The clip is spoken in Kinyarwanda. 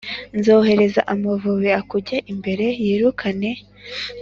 Nzohereza amavubi akujye imbere yirukane